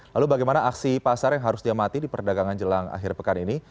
lalu bagaimana aksi pasar yang harus diamati di perdagangan jelang akhir pekan ini